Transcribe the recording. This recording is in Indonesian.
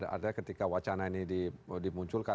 artinya ketika wacana ini dimunculkan